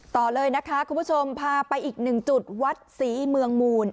ต่อเลยนะคะคุณผู้ชมพาไปอีกหนึ่งจุดวัดศรีเมืองมูล